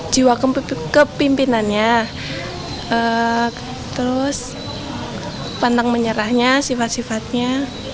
jiwa kepimpinannya terus pandang menyerahnya sifat sifatnya